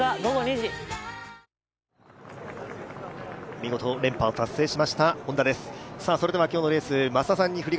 見事連覇を達成しましたＨｏｎｄａです。